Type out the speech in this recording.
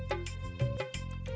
mas rangga mau bantu